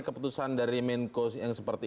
keputusan dari menko yang seperti